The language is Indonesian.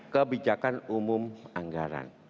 kebijakan umum anggaran